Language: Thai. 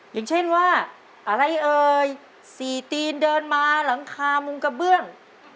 อย่างเช่นว่าอะไรเอ่ย๔ตีนเดินมาหลังคามุงกระเบื้อง